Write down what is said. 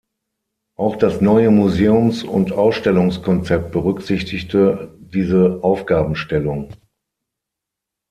Auch das neue Museums- und Ausstellungskonzept berücksichtigte diese Aufgabenstellung.